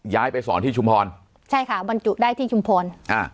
ไปสอนที่ชุมพรใช่ค่ะบรรจุได้ที่ชุมพรอ่า